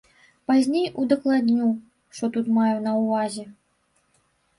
Пазней удакладню, што тут маю на ўвазе.